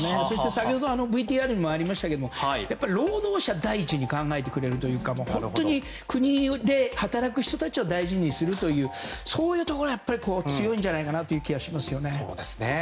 先ほど、ＶＴＲにもありましたが労働者を第１に考えてくれるというか本当に国で働く人たちを大事にするというところが強いんじゃないかなという気がしますよね。